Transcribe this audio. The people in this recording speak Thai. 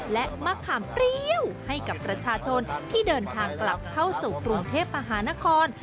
และมะขามเปรี้ยวให้กับประชาชนที่เดินทางกลับเข้าสู่กรุงเทพมหานคร